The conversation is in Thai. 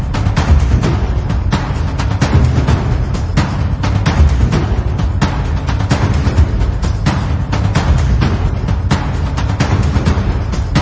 โปรดติดตามตอนต่อไป